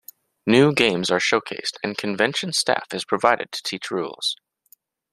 New games are showcased and convention staff is provided to teach rules.